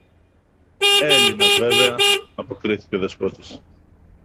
"Έλληνας, βέβαια", αποκρίθηκε ο Δεσπότης